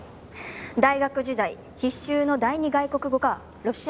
大学時代必修の第二外国語がロシア語だったから。